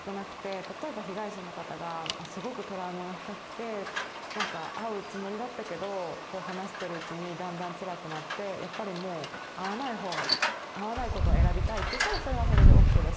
例えば被害者の方がすごくトラウマが深くてなんか会うつもりだったけど話してるうちにだんだんつらくなってやっぱりもう会わないほうがいい会わないことを選びたいって言ったらそれはそれでオッケーだし。